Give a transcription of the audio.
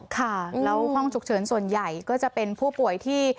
ค่ะแล้วห้องฉุกเฉินส่วนใหญ่ก็จะเป็นผู้ป่วยที่